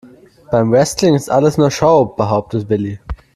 Beim Wrestling ist alles nur Show, behauptet Willi.